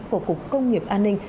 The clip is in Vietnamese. của cục công nghiệp an ninh